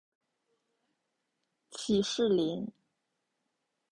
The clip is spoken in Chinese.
起士林。